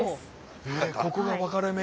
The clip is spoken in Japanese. えここが分かれ目？